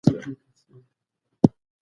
د جاپان کلیوالو ژوند یې مطالعه کړ.